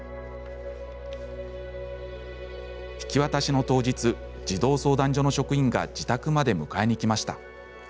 引き渡しの当日児童相談所の職員が自宅まで迎えに来ました。